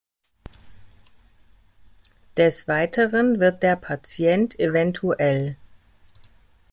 Des Weiteren wird der Patient evtl.